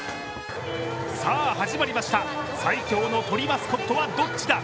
さあ始まりました、最強の鳥マスコットはどっちだ？